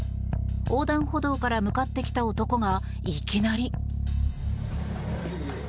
横断歩道から向かってきた男がいきなり。